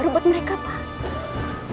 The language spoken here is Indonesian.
bu hati buat mereka pak